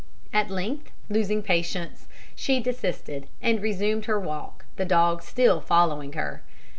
At length, losing patience, she desisted, and resumed her walk, the dog still following her.